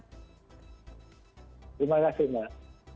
terima kasih mbak